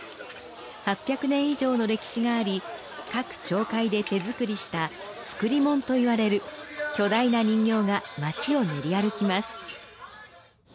８００年以上の歴史があり各町会で手作りした造り物といわれる巨大な人形が町を練り歩きます。